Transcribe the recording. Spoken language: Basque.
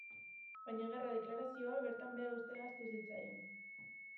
Baina gerra deklarazioa bertan behera uztea ahaztu zitzaien.